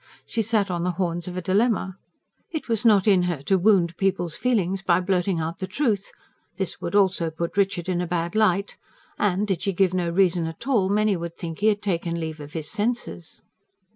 She sat on the horns of a dilemma. It was not in her to wound people's feelings by blurting out the truth this would also put Richard in a bad light and, did she give no reason at all, many would think he had taken leave of his senses.